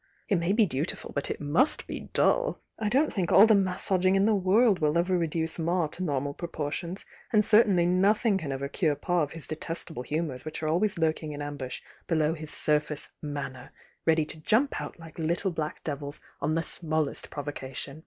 It may be dutiful but it must be dull I don't think all the massaging in the world will ever reduce Ma to normal proportions, and certain ly nothing can ever cure Pa of his detestable hu mours which are always lurking in ambush below his surface 'manner,' ready to jump out like little 82 THE YOUXG DIANA black devils on the smallest provocation.